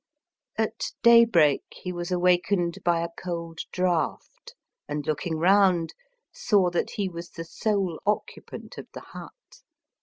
At daybreak he was awakened by a cold draught, and looking round saw that he was the sole occupant of the hut.